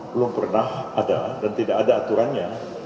belum pernah ada dan tidak ada aturannya